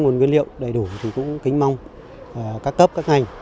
nguồn nguyên liệu đầy đủ thì cũng kính mong các cấp các ngành